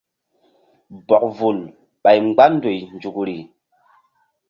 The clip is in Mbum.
Bɔk vul ɓay mgba ndoy nzukri.